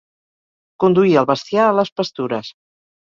Conduir el bestiar a les pastures.